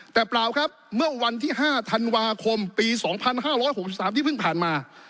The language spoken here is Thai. แต่เปล่าครับเมื่อวันที่๕ธันวาคมปี๒๕๖๓ที่เพิ่งผ่านมา